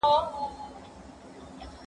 زه بايد وخت ونیسم؟!